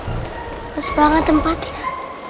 hangus banget tempatnya